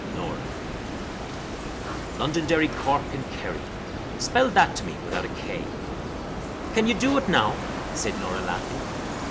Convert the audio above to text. NORAH "Londonderry, Cork, and Kerry, Spell that to me without a K." "CAN you do it now?" said Norah, laughing.